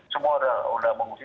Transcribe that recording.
semua orang sudah mengungsi